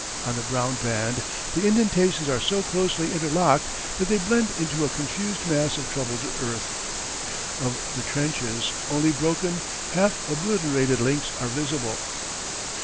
On the brown band the indentations are so closely interlocked that they blend into a confused mass of troubled earth. Of the trenches only broken, half obliterated links are visible.